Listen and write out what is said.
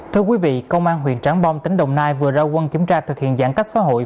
thưa quý vị công an huyện trảng bom tỉnh đồng nai vừa ra quân kiểm tra thực hiện giãn cách xã hội